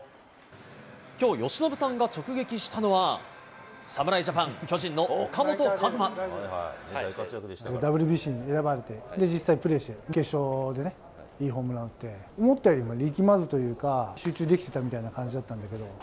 きょう、由伸さんが直撃したのは、侍ジャパン、ＷＢＣに選ばれて、実際プレーして、決勝でいいホームラン打って、思ったよりも力まずというか、集中できてたみたいな感じだったんだけど。